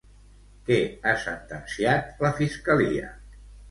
Què ha sentenciat la fiscalia?